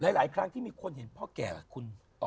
หลายครั้งที่มีคนเห็นพ่อแก่คุณตอบคุณด้วยไหม